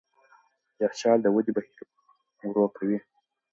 یخچال د ودې بهیر ورو کوي.